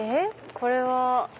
これは。